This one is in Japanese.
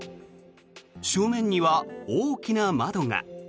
正面には大きな窓が。